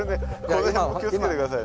この辺も気を付けて下さい。